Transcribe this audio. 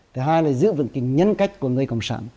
thứ hai là giữ vững cái nhân cách của người cộng sản